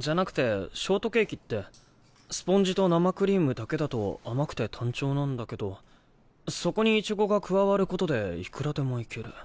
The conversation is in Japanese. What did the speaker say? じゃなくてショートケーキってスポンジと生クリームだけだと甘くて単調なんだけどそこにイチゴが加わることでいくらでもいける。